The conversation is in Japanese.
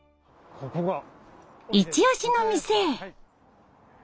イチオシの店へ。